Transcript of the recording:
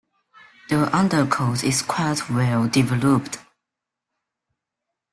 The undercoat is quite well developed.